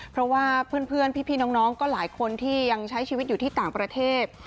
เพราะว่าเพื่อนพี่น้องก็หลายคนที่ยังใช้ชีวิตอยู่ที่ต่างประเทศ